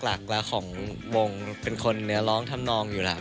หลักแล้วของวงเป็นคนเนื้อร้องทำนองอยู่แล้ว